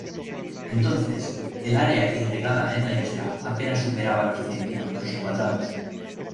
Entonces, el área irrigada en la isla apenas superaba los cien kilómetros cuadrados.